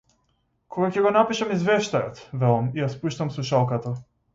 Кога ќе го напишам извештајот, велам и ја спуштам слушалката.